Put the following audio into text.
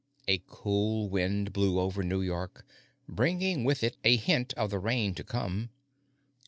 A cool wind blew over New York, bringing with it a hint of the rain to come.